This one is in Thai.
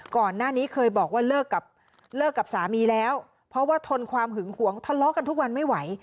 ก่อนหน้านี้เคยบอกว่าเลิกกับเลิกกับสามีแล้วเพราะว่าทนความหึงหวงทะเลาะกันทุกวันไม่ไหว